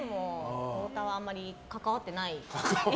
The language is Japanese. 太田はあんまり関わってない。